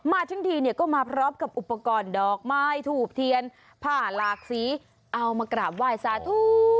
มาถึงทีเนี่ยก็มาพร้อมกับอุปกรณ์ดอกไม้ถูกเทียนผ้าหลากสีเอามากราบไหว้สาธุ